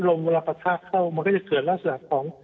ลมเวลาพัดท่าเข้ามันก็จะเกิดล่าสลัดของ